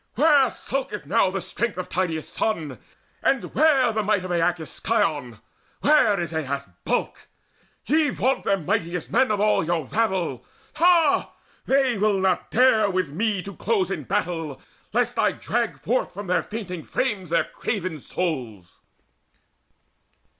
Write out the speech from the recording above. Where skulketh now the strength of Tydeus' son, And where the might of Aeacus' scion? Where is Aias' bulk? Ye vaunt them mightiest men Of all your rabble. Ha! they will not dare With me to close in battle, lest I drag Forth from their fainting frames their craven souls!"